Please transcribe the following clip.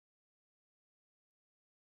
مېوې د افغانستان د زرغونتیا نښه ده.